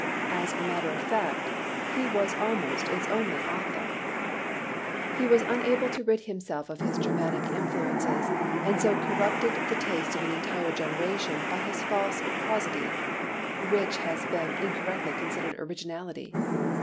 As a matter of fact he was almost its only author. He was unable to rid himself of his Germanic influences and so corrupted the taste of an entire generation by his false prosody, which has been incorrectly considered originality.